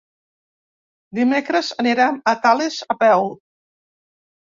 Dimecres anirem a Tales a peu.